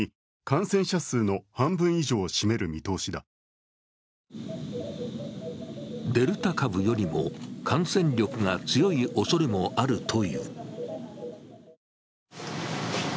更にデルタ株よりも感染力が強いおそれもあるという。